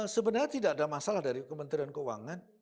sebenarnya tidak ada masalah dari kementerian keuangan